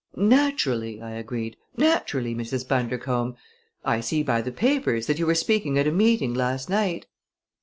"Naturally," I agreed; "naturally, Mrs. Bundercombe. I see by the papers that you were speaking at a meeting last night.